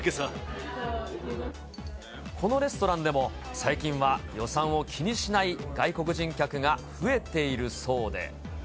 このレストランでも、最近は予算を気にしない外国人客が増えているそうで。